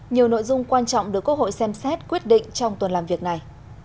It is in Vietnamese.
nhiều nội dung quan trọng được quốc hội xem xét quyết định trong tuần làm việc này